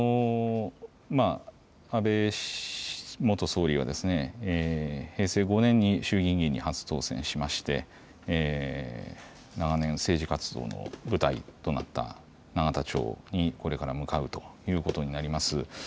安倍元総理が平成５年に衆議院議員に初当選しまして長年、政治活動の舞台となった永田町にこれから向かうということになります。